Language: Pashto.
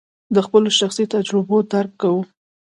د خپلو شخصي تجربو درک کوو.